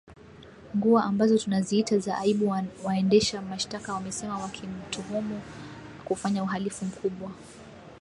nguo ambazo tunaziita za aibu waendesha mashtaka wamesema wakimtuhumu kufanya uhalifu mkubwa